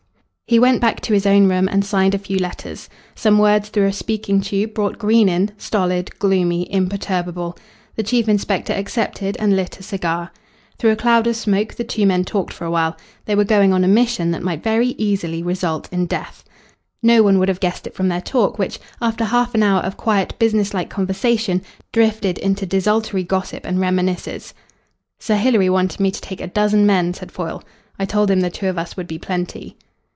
He went back to his own room and signed a few letters. Some words through a speaking tube brought Green in, stolid, gloomy, imperturbable. The chief inspector accepted and lit a cigar. Through a cloud of smoke the two men talked for a while. They were going on a mission that might very easily result in death. No one would have guessed it from their talk, which, after half an hour of quiet, business like conversation, drifted into desultory gossip and reminiscences. "Sir Hilary wanted me to take a dozen men," said Foyle. "I told him the two of us would be plenty."